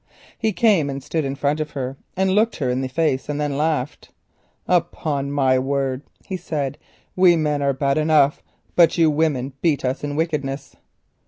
He came, stood in front of her, looked her in the face, and then laughed. "Upon my word," he said, "we men are bad enough, but you women beat us in wickedness."